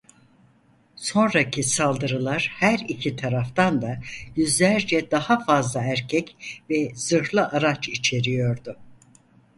Sonraki saldırılar her iki taraftan da yüzlerce daha fazla erkek ve zırhlı araç içeriyordu.